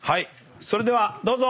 それではどうぞ。